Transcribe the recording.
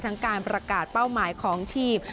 การประกาศเป้าหมายของทีม